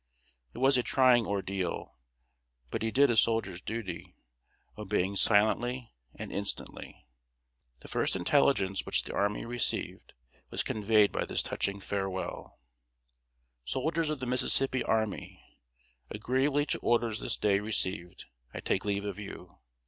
It was a trying ordeal, but he did a soldier's duty, obeying silently and instantly. The first intelligence which the army received was conveyed by this touching farewell: SOLDIERS OF THE MISSISSIPPI ARMY: Agreeably to orders this day received, I take leave of you.